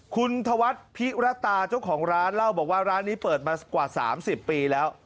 คุณธวัฒน์พิรตาเจ้าของร้านเล่าบอกว่าร้านนี้เปิดมากว่า๓๐ปีแล้ว